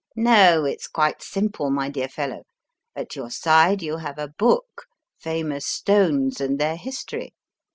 "No, it's quite simple, my dear fellow. At your side you have a book, 'Famous Stones and Their History.